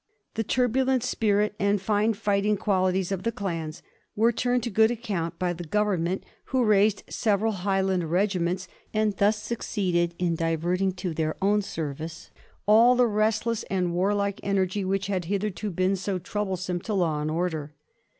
The turbulent spirit and fine fighting qualities of the clans were turned to good account by the Govern ment, who raised several Highland regiments, and thus succeeded in diverting to their own service all the restless and warlike energy which had hitherto been so trouble some to law and order.